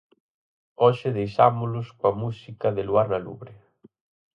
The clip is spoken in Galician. Hoxe deixámolos coa música de Luar na Lubre.